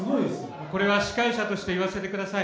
これは司会者として言わせてください。